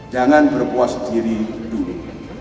jangan berpuas diri dulu